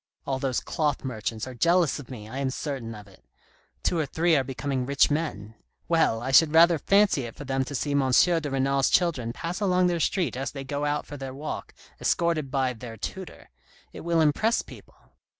All those cloth merchants are jealous of me, I am certain of it ; two or three are be coming rich men. Well, I should rather fancy it for them to see M. de Renal's children pass along the street as they go out for their walk, escorted by their tutor. It will impress people.